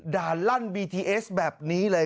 ลั่นบีทีเอสแบบนี้เลย